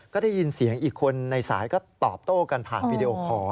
ก็ได้ยินเสียงอีกคนในสายก็ตอบโต้กันผ่านวีดีโอคอร์